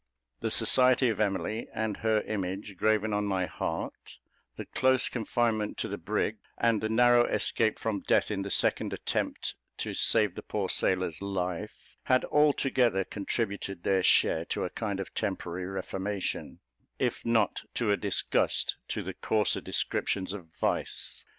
The society of Emily, and her image graven on my heart; the close confinement to the brig, and the narrow escape from death in the second attempt to save the poor sailor's life, had altogether contributed their share to a kind of temporary reformation, if not to a disgust to the coarser descriptions of vice.